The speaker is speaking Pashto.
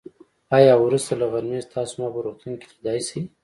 آيا وروسته له غرمې تاسو ما په روغتون کې ليدای شئ.